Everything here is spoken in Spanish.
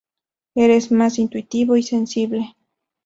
Es más intuitivo y "sensible".